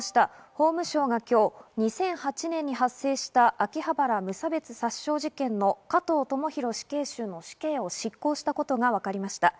法務省が今日、２００８年に発生した秋葉原無差別殺傷事件の加藤智大死刑囚の死刑を執行したことがわかりました。